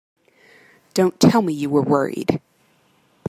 Don't tell me you were worried!